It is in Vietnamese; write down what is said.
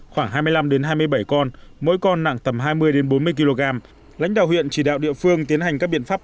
khoảng hai mươi năm hai mươi bảy con mỗi con nặng tầm hai mươi bốn mươi kg lãnh đạo huyện chỉ đạo địa phương tiến hành các biện pháp